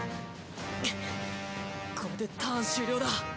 クッこれでターン終了だ。